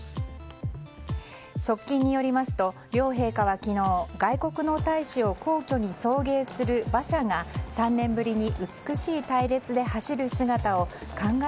側近によりますと両陛下は昨日外国の大使を皇居に送迎する馬車が３年ぶりに美しい隊列で走る姿を感慨